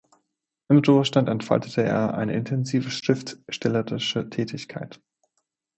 Im Ruhestand entfaltete er eine intensive schriftstellerische Tätigkeit.